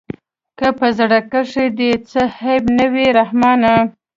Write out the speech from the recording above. که په زړه کښې دې څه عيب نه وي رحمانه.